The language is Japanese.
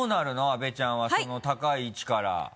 阿部ちゃんはその高い位置から。